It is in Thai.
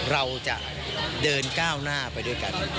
เราจะเดินก้าวหน้าไปด้วยกัน